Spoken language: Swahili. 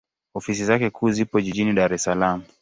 Ofisi zake kuu zipo Jijini Dar es Salaam.